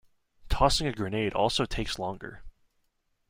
Tossing a grenade also takes longer.